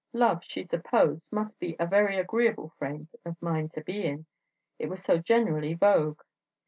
Love (she supposed) must be a very agreeable frame of mind to be in, it was so generally vogue....